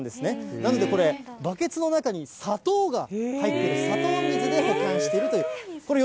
なのでこれ、バケツの中に砂糖が入ってる、砂糖水で保管しているということです。